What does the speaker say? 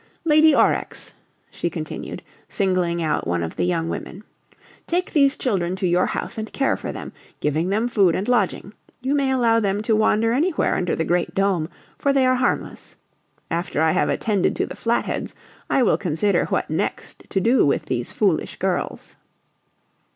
"Lady Aurex," she continued, singling out one of the young women, "take these children to your house and care for them, giving them food and lodging. You may allow them to wander anywhere under the Great Dome, for they are harmless. After I have attended to the Flatheads I will consider what next to do with these foolish girls."